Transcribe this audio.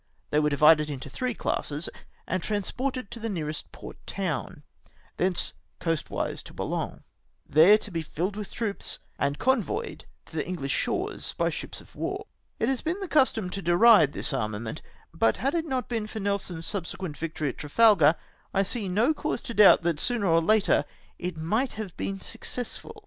They were divided into three classes, and transported to the nearest port town, thence coastwise to Boulogne, M 4 IGS THE AliJIJ ORDERED TO WATCH THE FRENCH COAST. there to be filled with troops, and convoyed to tlie English shores by ships of war. It has been the custom to deride this armament, but had it not been for Nel son's subsequent victoiy at Trafalgar, I see no cause to doubt that sooner or later it might have been successful.